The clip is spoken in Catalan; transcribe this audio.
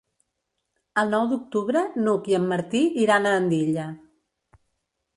El nou d'octubre n'Hug i en Martí iran a Andilla.